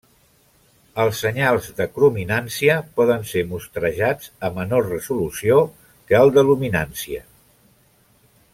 Els senyals de crominància poden ser mostrejats a menor resolució que el de luminància.